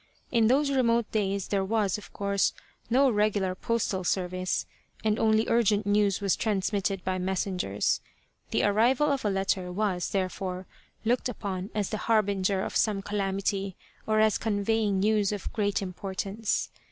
In those remote days there was, of course, no regular postal service, and only urgent news was transmitted by messengers. The arrival of a letter was, therefore, looked upon as the harbinger of some calamity or as conveying news of great importance.